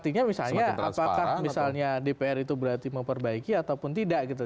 artinya misalnya apakah misalnya dpr itu berarti memperbaiki ataupun tidak gitu